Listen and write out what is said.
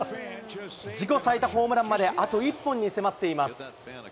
自己最多ホームランまであと１本に迫っています。